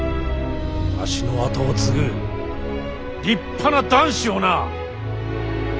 わしの跡を継ぐ立派な男子をな。